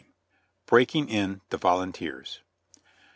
BREAKING IN THE VOLUNTEERS.